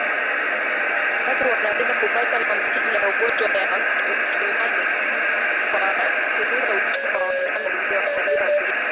Watu wanaweza kupata maambukizi ya ugonjwa wa kimeta kwa kugusa uchafu wa wanyama walioathirika